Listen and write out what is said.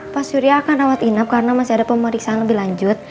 pak surya akan rawat inap karena masih ada pemeriksaan lebih lanjut